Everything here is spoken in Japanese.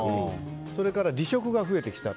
それから、離職が増えてきた。